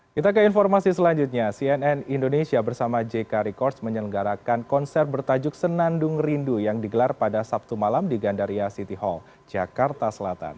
kita ke informasi selanjutnya cnn indonesia bersama jk records menyelenggarakan konser bertajuk senandung rindu yang digelar pada sabtu malam di gandaria city hall jakarta selatan